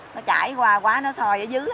nó chảy qua quá nó sôi ở dưới